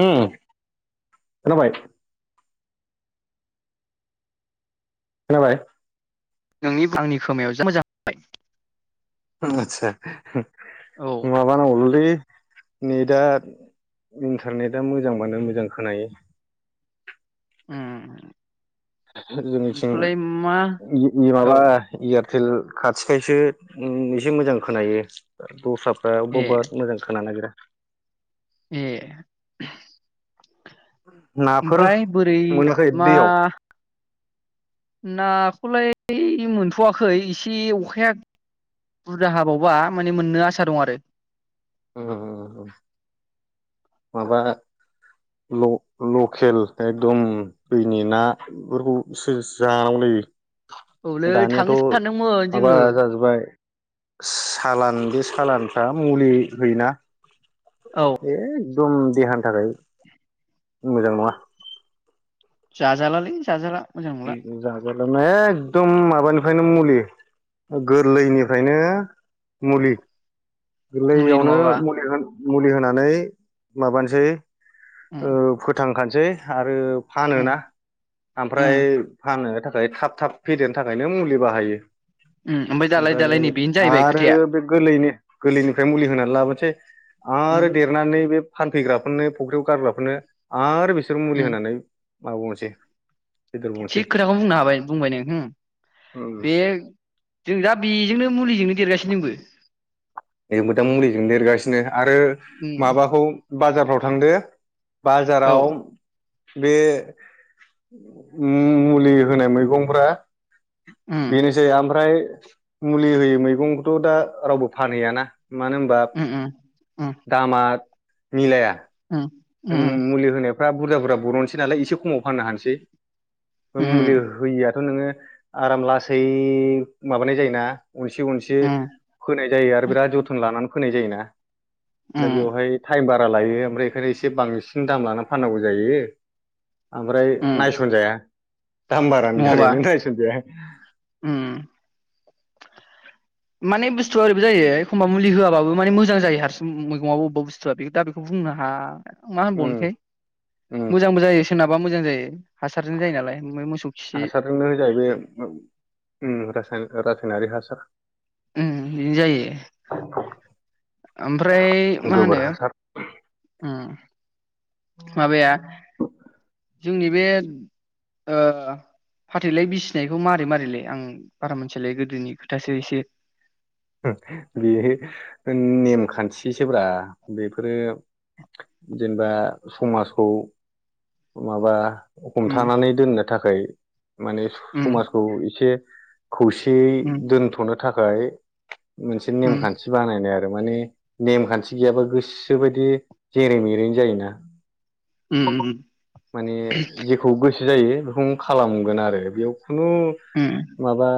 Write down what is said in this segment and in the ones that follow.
उम खोनाबाय खोनााबाय नोंनि आंनि खोमायाव जाों मोजांबाय आतसा माबाना हरलि नेटआ इन्टारनेटआ मोजांबानो मोजां खोनायो उम बेखौलाय मा जोंनिथिं औ माबा इय हेल खाथिखायसो एसे मोजां खोनायो दस्रा ए बहत मोजां खोनानो नागिरा ए नाफोर ओमफ्राय बोरै मोनाखै मा दैयाव नाखौलाय मोनथ'वाखै एसे अखाया बुरजा हाबावबा माने मोननो आसा दं आरो माबा लकेल एकदम दैनि नाफोरखौसे जानांगौलायो औलै दानियाथ' थांनो सानदोंमोन माबा जोङो ज जगाय सालान बे सालानफ्रा मुलि होयोना औ ए एकदम देहानि थाखाय मोजां नङा जाह जला लै जाहाजला जागर एकदम माबानिफ्रायनो मुलि गोरलैनिफ्रायनो मुलि मुलि गोरलैयावनो नङाबा मुलि होनोन मुलि होनानै माबानोसै उम ओ फोथां बुंखानोसै आरो फानो उम ना उम ओमफ्राय फनो थाखाय थाब थाब फेदेरनो थाखायनो मुलि बाहायो उम दालाय ओमफ्राय दालाय नै बेनो जाहैबाय आरो खोथाया बे गोरलैनि गोरलैनिफ्राय मुलि होनानै लाबोसै उम आरो देरनानै बे फानफैग्राफोरनो फुख्रियाव गारग्राफोरनो आरो बे बिसोर मुलि उम होनानै म बुंनोसै थिग खोथाखौ बुंनो हाबाय बुंबाय नों बे जों दा बेजोंनो मुलिजोंनो देरगासिनो बो जबो दा मुलिजों देरगासिनो आरो उम माबाखौ बाजारफ्राव थांदो औ बाजाराव बे मुलि होनाय मैगंफ्रा उम बेनोसै ओमफ्राय मुलि होयो मैगंखौथ' दा रावबो फानहैयाना मानो होनबा उम उम दामा मिलाया ओम उम उम फ्रा बुरज बुरज बर'नोसै नालाय एसे समाव फाननो हानोसै मुलि उम होया थ' नोङो आराम लासै माबानाय जायोना अनसे गनसे उम फोनाय जायो आरो बिराद जोथोन लानानै फोनाय जायोना दा उम बेवहाय टाइम बा लायो ओमफ्राय बेखाय एसे बांसिन दाम लानानानै फाननांगौ जायो ओमफ्राय उम नायस'नजाया दामबारानो नङाबा थाखायागायनो दायसदि उम माने बुस्थुआ ओरैबो जायो एखमबा मुलि होआाबो माने मोजां जायो हारसिं मैगंाबो बबेबा बुस्थुआ बे दा बेखौ बुंनो हा मा उम होनबावनोसै मोजांबो जायोसोना बा मोजां जायो हासारजों जायो नालाय ओमफ्राय मोसौ खि हासारनो जाहैबायास रासायनारि हासार जायो ओमफ्राय मा गोबोर हासार होनो माबाया जोंनि बे फाथैलाय ओ बिसिनायखौ मारै मारैलाय आं बारा मोनथिलाय गोदोनि खोथासो एसे बे नेमखान्थिसोब्रा बेफोरो जेनेबा समाजखौ माबा उम हमथानानै दोननो थाखाय माने उम समाजखौ एसे खौसेयै ए दोनथ'नो थाखाय मोनसे नेमखान्थि बानायनाय आरो आरो माने नेमखान्थि गैयाबा गोसो बायदि जेरै मेरैनो जायोना उम उम माने जेखौ गोसो जायो बेखौनो खालामगोन आरो बेयाव खुनु माबा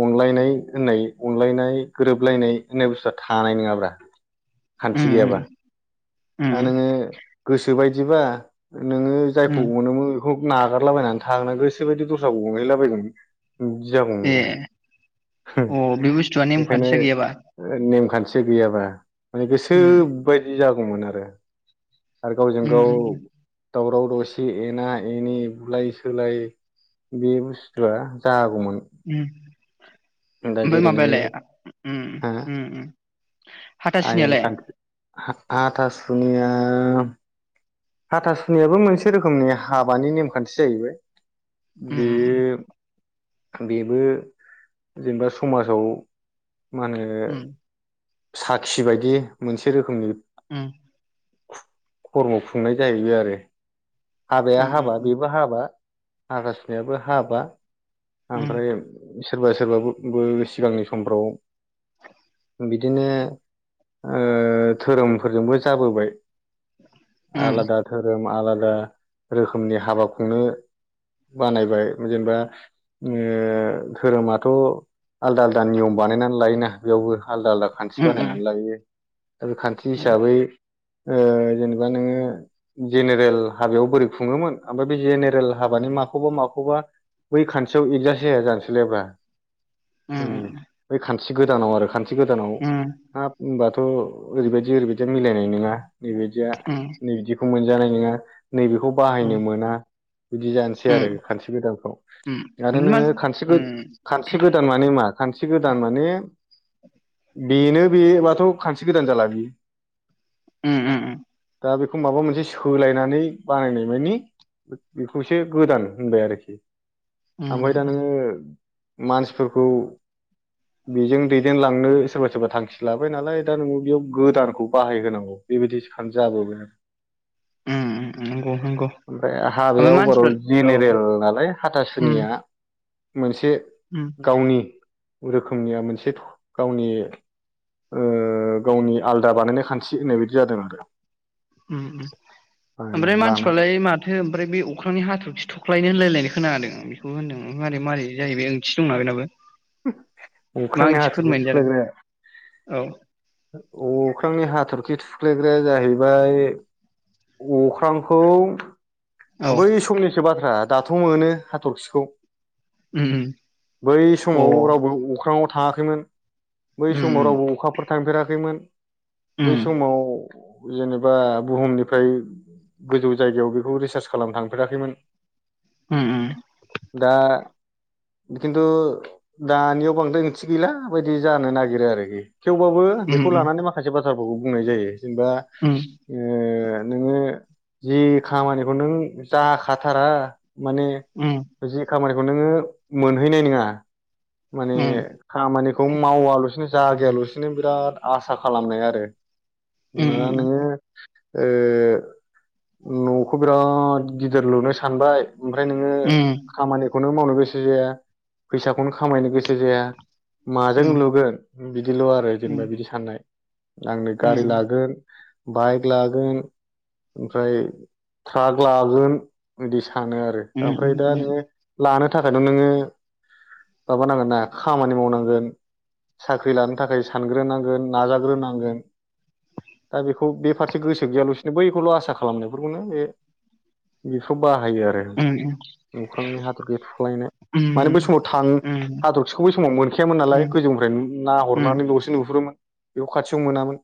अनलायनाय होननाय अनलायनाय गोरोबलायनाय होननाय बुस्थुआ थानाय नङाब्रा खान्थि गैयाबा दा नोङो गोसोबायदि दिबा नोङो जायखौ अनोमो बेखौ नागारलाबायनानै थांनो गोसो बायदि दस्राखौ गंहैलाबायगोनमोन बिदि जागौमोनब्रा अ बे बुस्थुआ नेमखानथिया गैयाबा थि गैयाबा माने गोसो उम बायदि जाग गौमोन आरो आरो गावजों उम गाव उम दावराव दावसि एना एनि बुलाय सोलाय बे बुस्थुआ जा ओम दा ओमफाय जेरै नोङो माबायालाय? ओम ओम ओम आयेनखान हा-हाथा सुनिया हाथा सुनियाबो मोनसे रोखोमनि हाबानि नेमखान्थि जाहैबाय उम उम उम बेयो बेबो जेनेबा समाजाव मा होनो उम साखि बायदि मोनसे रोखोमनि ह खरम खुंनाय जाहैबाय आरो हाबाया उम हाबा बेबो हाबा हागाजनायाबो हाबा उम ओमफ्राय सोरबा सोरेर बाबु ब सिगांनि समफ्राव बि बिदिनो धोरोमफोरजोंबो जाबोबाय उम आलादााथ आलादा रोखोमनि हाबा खुंनो बानायबाय जेनेबा धोरोमाथ' आलदा आलदा नियम बानायनानै लायोना बेयावबो आलदा आलदा खान्थि उम उम बानायनानै लायो आरो बे खान्थि उम हिसाबै जेनेबा नोङो जेनेरेल हाबायाव बोरै खुङोमोन ओमफ्राय बे जेनेरेल हाबानि माखौबा माखौबा बै खान्थि ौ एगजास्ट जआ जानोसैलायब्रा म ान एसे गोदानाव आरो खान् गोदानाव उम हा होनबाथ' थ' ओरैबायदि ओरैबायदि मिलायनाय नङा नैबायदिया नै बिदिखौ मोन जानाय नङा नैबेखौ बाहायनो मोना बिदि जानोसै उम आरो खानस गोदानफ्राव उम आरो ओमफ्राय मा नोङो खान उम खानस्रि गोदान माने मा खानस्रि गोदान माने बेनो बेबाथ' खानस गोदान जाला बियो उ उ दा बेखौ माबा मोनसे सोलायनानै बानायनाय मानि बेखौसो गोदान होनबाय आरोखि उम उम ओमफ्राय दा नोङो मानसिफोरखौ बेजों दैदेनलांनो सोरबा सोरबा थांखि लाबाय नालाय दा नों बेयाव गोदानखौ बाहायहांगौ बेबायदिनो जाबोबाय आरो उम नंगौ नंगौ ओमफ्राय ओमफ्राय हाबायाबाराव मानसिफ्रा औ जेनेरेल नालाय हाथाास उम जोंनिया ब से उम गावनि रोखोमनिया मोनसे गावनि ओ गावनि आलदा बानायनाय खान्थि होननाय बायदि जादों आरो ओम ओम ओमफ्राय बानायनानै लानाय मानसिफ्रालाय माथो ओमफ्राय बे अख्रांनि हाथरखि थ' ख्लायनो होनलायलायनाय खोनादों बेखौ होनदों मारै मारै जायो बे ओंथि दंना बेनाबो? मा अख्रांनि ओंथि हाथरखि फोरमायनाय जादों थुख्लायग्राया औ अख्रांनि हाथरखि थुख्लायग्राया जाहैबाय अख्रांखौ औ बै समनिसो बाथ्रा दाथ' मोनो हाथरखिखौ उम बै समाव उम रावबो अख्राङाव थाङाखैमोन बै समाव रावबो अखाफोर थांफेराखैमोन अ बै उम समाव जेनेबा बुहुमनिफ्राय गोजौ जायगायाव बेखौ रिसार्च खालामनो थांफेराखैमोन उम दा खिन्थु दानियाव बांद्राय ओंथि गैला बायदि जानो नागिरो आरोखि थेवबाबो बेखौ उम लानानै माखासे बाथ थ्राफोरखौ बुंनाय जायो जेनेबा उम ओ नोङो जि खामानि बेखौ नों जाखाथारा माने उम जि खामानि खौ नोङो मोनहैनाय नङा माने उम खामानिखौ मावल'सिनो जागायाल'सिनो बिराद आसा खालामनाय आरो उम मा नोङो ओ न खौ बिराद गिदिर लुनो सानबाय ओमफ्राय नोङो उम खामानिखौनो मावनो गोसो जाया फैसाखौनो खामायनो गोसो जाया माजों लुगोन बिदिल' आरो उम जेनेबा बिदि साननाय आंनो गारि लागोन बाइक लागोन ओमफ्राय ट्राक लागोन इदि सानो आरो ओमफ्राय दा नोङो लानो थाखायथ' नोङो माबानांगोन ना खामानि मावनांगोन साख्रि लानो थाखाय सानग्रोनांगोन नाजाग्रोनांगोन दा बेखौ बे फारसे गोसो गैयालासिनो बैखौल' आसा खालामनायखौ खौनो बे बेखौ बा बाहायो आरो अख्रांनि हाथरखि थुख्लायनाय माने बै समाव थां हाथरखिखौ बै समाव मोनखायामोन नालाय गोजौनिफ्राय ना हरनानैल'सो नुहुरोमोन बेयाव खाथियाव मोनामोन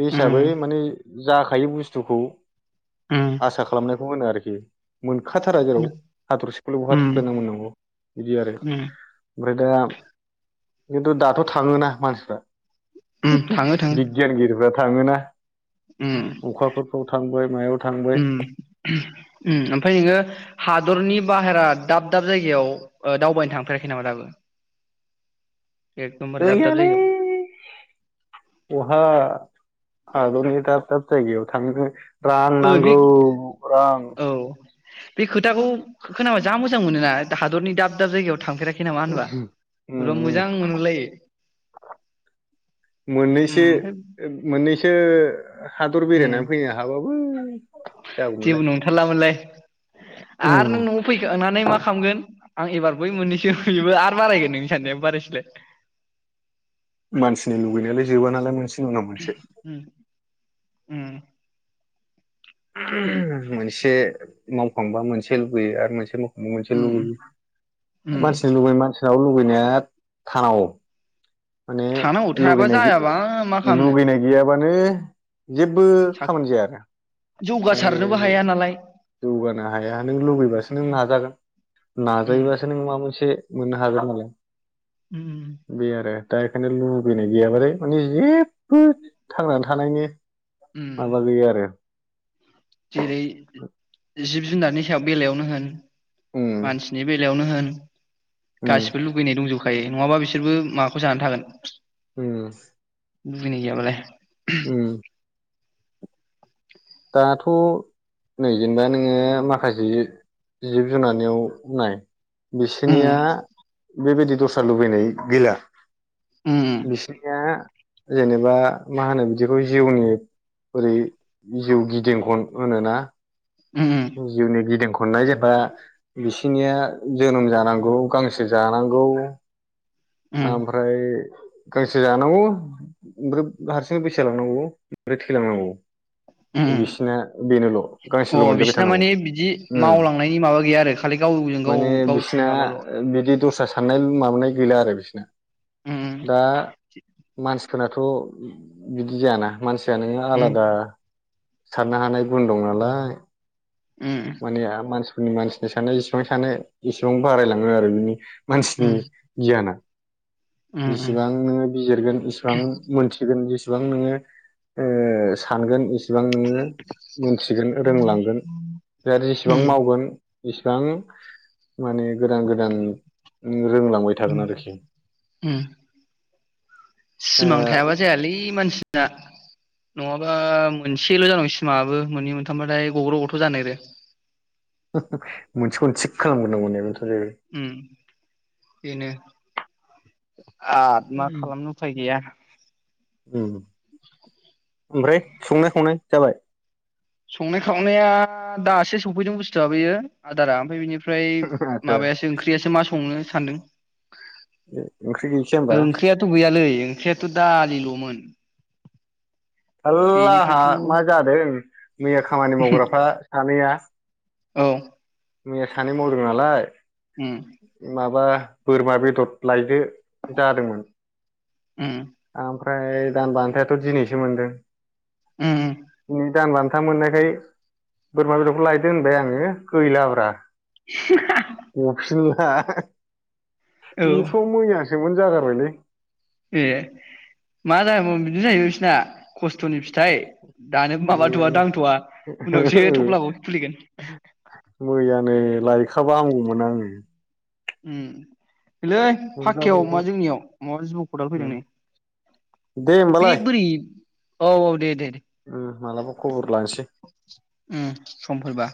बे हिसाबै माने जाखायै बुस्थुखौ आसा खालामनाय होनो आरोखि मोन खाथारा जेराव हाथरखिखौलाय बहा उम थुख्लायना मोननांगौ बिदि आरो उम ओमफ्राय दा खिन्थु दाथ' थाङोना मानसिफ्रा उम थाङो थाङो बिगियानगिरिफ्रा थाङोना अखाफोरखौ ओम ओम ओमफाय नोङो हादरनि बाहेरा दाब दाब जायगायाव ओ दावबायनो थांफेराखै नामा दाबो? एकदमबारे दाब दाब गैयालै जायगायाव बहा हाबावनो दाब दाब जायगायाव थांनोनो रां ओ बे नांगौ रां औ बे खोथाखौ खोनाबा जा मोजां मोनो ना हादरनि दाब दाब जायगायाव थांफेराखै नामा होनबा उम बोरैबा उम मोजां मोनगुलायो उम मोननैसो ओमफ्राय मोननैसो हादर उम बेरायनानै फैनो हाबाबो जागौमोनलाय जेबो नंथारलामोनलाय उम आरो नों न'आव फैखांनानै मा खामगोन? आं एबार बै मोननैसो बेबो आरो बारायगोन नोंनि साननायाबो बारायसैलाय मानसिनि लुुबैनायालाय जोबा नालाय मोनसे नि उनाव मोनसे उम उम [unintelligible] मोनसे मावखांबा मोनसे लुबैयो आरो मोनसे माव मोनसे उम लुबैयो उम मानसिनि लुबै मानस नाव लुुबैनाया थानाव माने थानांगौ थायाबा लुगैनाय जायाबा मा खालामनो लुगैनाय गैयाबानो जेबो सा खामानि जायारा माने जौगासारनोबो हाया नालाय जौगानो हाया नों लुबैबासो नों नाजागोन उम नाजायोबासो नों माबा मोनसे मोननो हागोन नालाय उम बे आरो दा एखायनो लुबैनाय गैयाबाथाय माने जेबो थांनानै थानायनि उम माबा गैया आरो जेरै जिब जुनारनि सायाव बेलायावनो होन उम मानसिनि बे लायावनो होन उम गासिबो लुगैनाय दंजोबखायो नङाबा बिस सोरबो माखौ जाना थागोन? उम लुगैनाय गैयाबालाय उम दाथ' नै जेनेबा नोङो माखासे जिब जुनारनियाव नाय उम बिसोनिया बेबायदि दस्रा लुबैनाय गैला उम बिसिनिया जेनेबा मा होनो बिदिखौ जिउनि बोरै जिउ गिदिंखन होनोना उम जिउनि गिदिंख खननाय जों बा बिसि खिनिया जोनोम जानांगौ गांसो जानांगौ उम आमफ्राय गांसो जानांगौ ओमफ्राय हारसिं बैसो‌ जालांनांगौ ओमफ्राय थैलांनांगौ उम बिसिना बेनोल' अ गांसोल' मोनजाबाय बिसिना जानांगौ‌ माने बिदि ओम मावलांनायनि माबा गैया आरो खालि गावजों गाव माने गावसिनि बिसिना माबाल' बिदि दस्रा साननाय माबानाय गैला आरो बिसिना उम दा मानसिफोरनाथ' बिदि जायाना मानसि जाया नोङो उम आलादा साननो हानाय गुन दं नालाय उम माने मानसि ओम मानसिनि साननाया जेसेबां सानो एसेबां बारायलाङो आरो बिनि मानसिनि उम गियाना उम जेसेबां नोङो बिजिरगोन इसिबां मोनथिगोन जेस बिसिबां नोङो ओ सानगोन इस बिसेबां नोङो मोनथिगोन रोंलांगोन बिदि आरो जेसेबां उम मावगोन इसेबां माने गोदान गोदान नों रोंलांबाय ओम थागोन आरोखि ओम ओ सिमां थायाबा जायालै मानसि ना नङाबा मोनसेल' जागोन सिमांआबो मोननै मोनथामबाथाय गग्र' गथ' जानो नागिरो मोनसेखौनो थिग खालामग्रोनांगौ होननाया नोंथां उम बिनो आद मा खालामनो उफाय गैया उम ओमफ्राय संनाय खावनाय जाबाय संनाय खावनाया दासो सफैदों बुस्थुआ बेयो आदारा ओमफ्राय बेनिफ्राय ओमफ्राय आदसा माबायासो ओंख्रियासो मा सङो? सान्दों ओंख्रि गैसै होमबा ओंख्रियाथ' गैयालै ओंख्रिआथ‌' दालि लमोन थाल्ला आहा मा जादों मैया खामानि मावग्राफ्रा सानैया औ मैया सानै मावदों नालाय उम माबा बोरमा बे दद लायदो जादोंमोन ओम ओमफ्राय दान बान्थायाथ' दिनैसो मोनदों ओम ओम दिनै दान बान्था मोननायखाय बोरमा बेदरखौ लायदो होनबाय आङो गैलाब्रा हा [unintelligible] [unintelligible] औ इफ्राव मैयासो सोंमोन जागारबायलै ए मा जायामोन बिदि जाहैबाय बिसिना खस्थ'नि फिथाइ दानो माबाथ'वा मैयानो दांथ'वा उनावसो ओ थफ्लाखौ खुलिगोन मैयानो लायखाबा हामगौमोन आङो उम नैलै फाक्कायाव मा मोनजाबावगौमोन जोंनियाव माबा जिबौ खदाल फैदों नै दे बे बोरै? औ औ दे दे दे उम मालाबा खबर लानोसै उम समफोरबा